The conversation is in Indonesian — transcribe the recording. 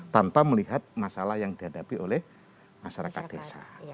tanpa melihat masalah yang dihadapi oleh masyarakat desa